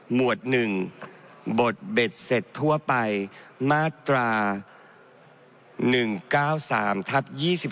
หวด๑บทเบ็ดเสร็จทั่วไปมาตรา๑๙๓ทับ๒๓